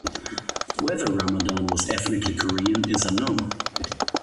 Whether Ramadan was ethnically Korean is unknown.